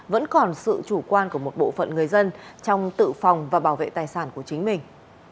vẫn còn sự chủ quan của một bộ phận người dân trong tự phòng và bảo vệ tài sản của chính mình